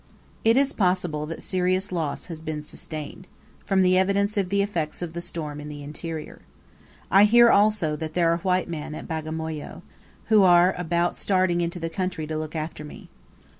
It is possible that serious loss has been sustained, from the evidences of the effects of the storm in the interior. I hear, also, that there are white men at Bagamoyo, who are about starting into the country to look after me